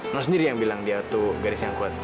no sendiri yang bilang dia tuh garis yang kuat